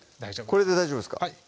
これで大丈夫ですか？